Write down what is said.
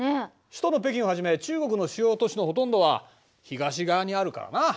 首都の北京をはじめ中国の主要都市のほとんどは東側にあるからな。